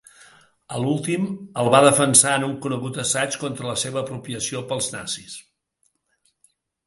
A l'últim, el va defensar en un conegut assaig contra la seva apropiació pels nazis.